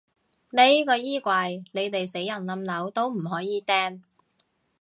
呢個衣櫃，你哋死人冧樓都唔可以掟